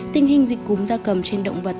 tình hình dịch cúm da cầm trên động vật